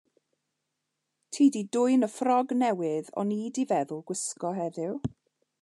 Ti 'di dwyn y ffrog newydd o'n i 'di feddwl gwisgo heddiw?